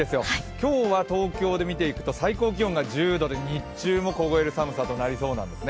今日は東京で見ていくと最高気温が１０度で日中も凍える寒さとなりそうなんです。